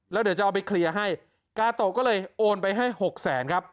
แล้วเดี๋ยวจะเอาไปเคลียร์ให้กาโตะก็เลยโอนไปให้หกแสนครับ